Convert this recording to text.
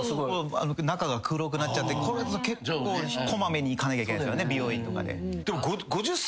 中が黒くなっちゃってこれだと結構小まめに行かなきゃいけないすよね美容院とか。